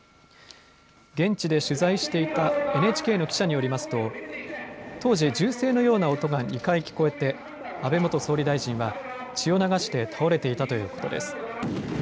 現地で取材していたＮＨＫの記者によりますと当時、銃声のような音が２回聞こえて安倍元総理大臣は血を流して倒れていたということです。